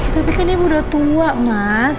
tapi kan dia udah tua mas